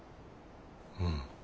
うん。